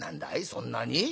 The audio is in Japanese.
そんなに？